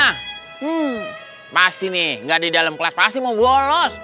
hmm pasti nih gak di dalam kelas pasti mau bolos